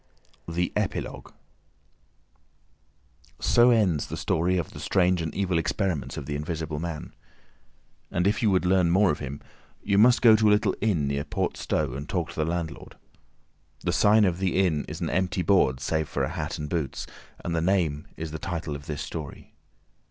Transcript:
THE EPILOGUE So ends the story of the strange and evil experiments of the Invisible Man. And if you would learn more of him you must go to a little inn near Port Stowe and talk to the landlord. The sign of the inn is an empty board save for a hat and boots, and the name is the title of this story.